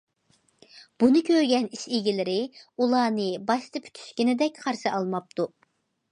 بۇنى كۆرگەن ئىش ئىگىلىرى ئۇلارنى باشتا پۈتۈشكىنىدەك قارشى ئالماپتۇ.